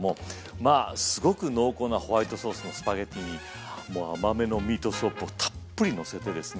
まあすごく濃厚なホワイトソースのスパゲッティにもう甘めのミートソースをたっぷりのせてですね